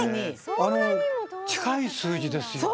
あの近い数字ですよね。